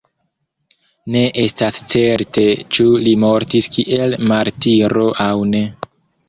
Ne estas certe ĉu li mortis kiel martiro aŭ ne.